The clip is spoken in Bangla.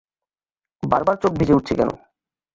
বারবার চোখ ভিজে উঠছে কেন?